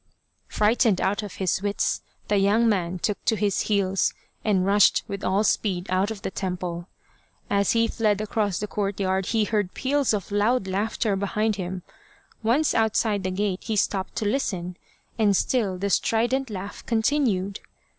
Frightened out of his wits, the young man took to his heels, and rushed with all speed out of the temple. As he fled across the courtyard he heard peals of loud laughter behind him. Once outside the gate he stopped to listen, and still the strident laugh continued.